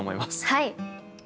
はい。